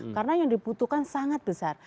karena yang dibutuhkan sangat besar